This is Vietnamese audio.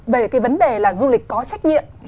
về cái vấn đề là du lịch có trách nhiệm